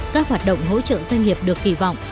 các hoạt động hỗ trợ doanh nghiệp được kỳ vọng